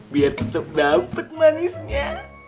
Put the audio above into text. biar tetep dapet manisnya